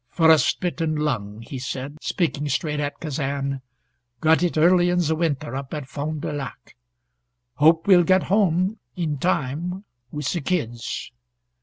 "Frost bitten lung," he said, speaking straight at Kazan. "Got it early in the winter, up at Fond du Lac. Hope we'll get home in time with the kids."